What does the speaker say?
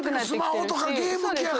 スマホとかゲーム機やからや。